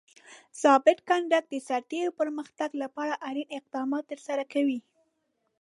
ضابط کنډک د سرتیرو پرمختګ لپاره اړین اقدامات ترسره کوي.